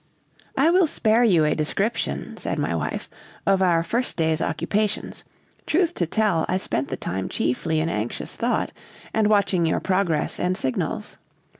"I will spare you a description," said my wife, "of our first day's occupations; truth to tell, I spent the time chiefly in anxious thought and watching your progress and signals.